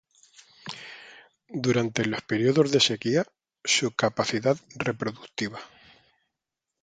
Durante los periodos de sequía, su capacidad reproductiva.